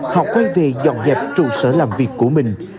họ quay về dọn dẹp trụ sở làm việc của mình